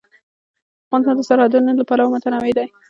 افغانستان د سرحدونه له پلوه متنوع دی.